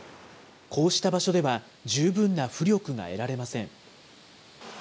こうした場所では十分な浮力が得られません。